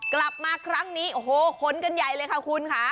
กลับมาครั้งนี้โอ้โหขนกันใหญ่เลยค่ะคุณค่ะ